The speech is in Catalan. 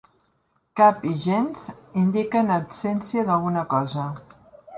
Cap i gens indiquen absència d'alguna cosa.